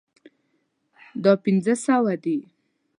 دا پنځه سوه دي